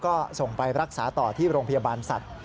ก็ส่งไปรักษาต่อที่โรงพยาบาลสัตว์